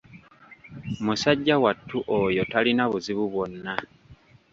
Musajja wattu oyo talina buzibu bwonna.